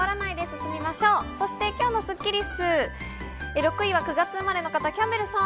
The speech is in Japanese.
今日のスッキりす、６位は９月生まれの方、キャンベルさん。